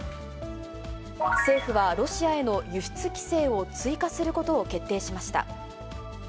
政府はロシアへの輸出規制を追加することを決定しました。